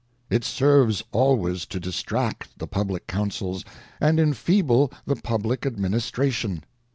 ŌĆö It serves always to distract the Public Councils, and enfeeble the Public administra tion.